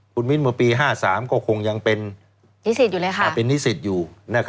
คุณมิ้นปี๑๙๕๓ก็คงยังเป็นนิสิทธิ์อยู่